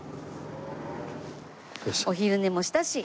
お昼寝もしたし。